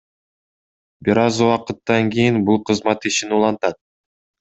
Бир аз убакыттан кийин бул кызмат ишин улантат.